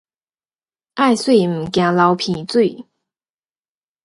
愛媠毋驚流鼻水